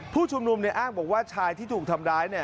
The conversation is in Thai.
ผู้ชุมนุมอ้างบอกว่าชายที่ถูกทำร้าย